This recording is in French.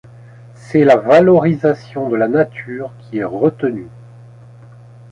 C'est la valorisation de la nature qui est retenue.